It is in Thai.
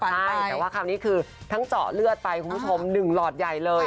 ใช่แต่ว่าคราวนี้คือทั้งเจาะเลือดไปคุณผู้ชม๑หลอดใหญ่เลย